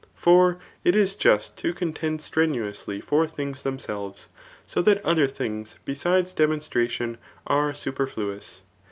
For it is just to contend strenuously for things themselves; so that othar things besides demon stration are superfluous.